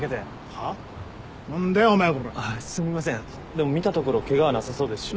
でも見たところケガはなさそうですし。